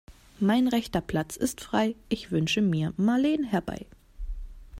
Mein rechter Platz ist frei, ich wünsche mir Marleen herbei.